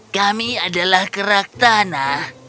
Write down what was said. kami adalah keraktana